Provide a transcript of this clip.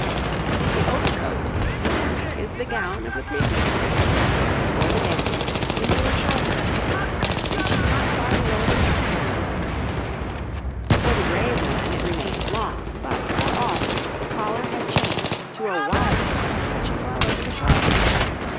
] The overcoat D is the gown of the previous reign cut, for the dandy, into a shorter affair, reaching not far below the knee; for the grave man it remained long, but, for all, the collar had changed to a wide affair stretching well over the shoulders.